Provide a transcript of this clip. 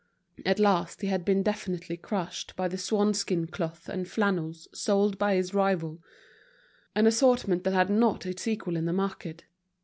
At last he had been definitely crushed by the swanskin cloth and flannels sold by his rival, an assortment that had not its equal in the market.